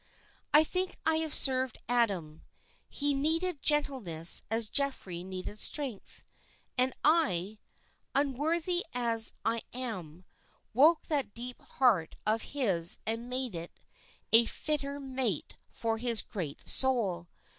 "I think I have served Adam. He needed gentleness as Geoffrey needed strength, and I, unworthy as I am, woke that deep heart of his and made it a fitter mate for his great soul.